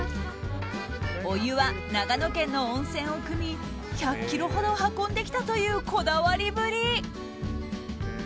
お湯は長野県の温泉をくみ１００ｋｍほど運んできたというこだわりぶり。